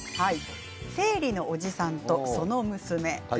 「生理のおじさんとその娘」。